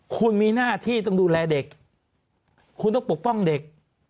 คุณมีหน้าที่ต้องดูแลเด็กคุณต้องปกป้องเด็ก